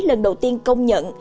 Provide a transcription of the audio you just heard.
lần đầu tiên công nhận